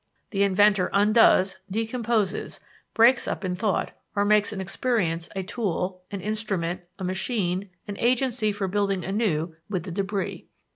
The inventor undoes, decomposes, breaks up in thought, or makes of experience a tool, an instrument, a machine, an agency for building anew with the débris.